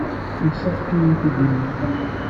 Yessefk ad iyi-d-tinimt.